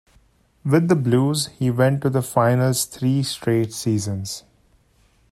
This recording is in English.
With the Blues, he went to the Finals three straight seasons.